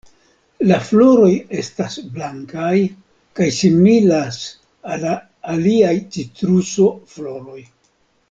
La floroj estas blankaj kaj similas al la aliaj "Citruso"-floroj.